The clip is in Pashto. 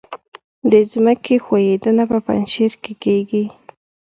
د ځمکې ښویدنه په پنجشیر کې کیږي